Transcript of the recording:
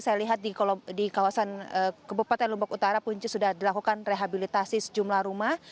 saya lihat di kawasan kebupaten lombok utara punca sudah dilakukan rehabilitasi sejumlah rumah